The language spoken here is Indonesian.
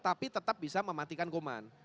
tapi tetap bisa mematikan kuman